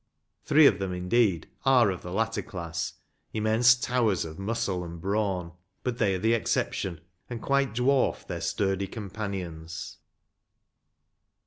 Three of them, indeed, are of the latter class, immense towers of muscle and brawn, but they are the exception, and quite dwarf their sturdy companions.